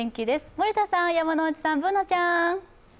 森田さん、山内さん、Ｂｏｏｎａちゃん。